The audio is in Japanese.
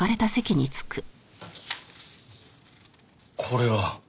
これは。